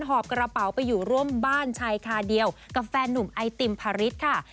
หอบกระเป๋าไปอยู่ร่วมบ้านชายคาเดียวกับแฟนหนุ่มไอติมพาริสค่ะ